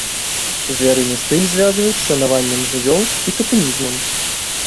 Звярыны стыль звязваюць з шанаваннем жывёл і татэмізмам.